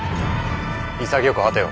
潔く果てよ。